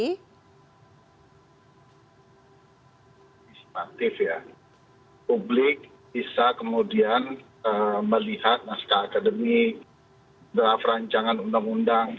pusat aktif ya publik bisa kemudian melihat masyarakat akademik berafrancangan undang undang